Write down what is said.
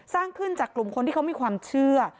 สร้างขึ้นจากกลุ่มคนที่เขามีความเชื่อ